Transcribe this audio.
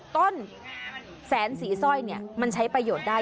ต้นแสนสีสร้อยมันใช้ประโยชน์ได้